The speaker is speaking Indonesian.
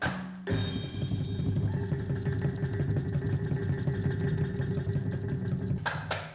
dianggap sebagai simbol kerukunan